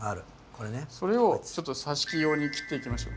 それをさし木用に切っていきましょう。